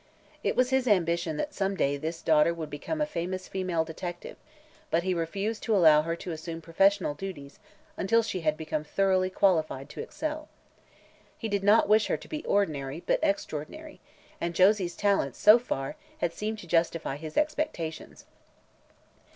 It was his ambition that some day this daughter would become a famous female detective, but he refused to allow her to assume professional duties until she had become thoroughly qualified to excel. He did not wish her to be ordinary, but extraordinary, and Josie's talents, so far, had seemed to justify his expectations.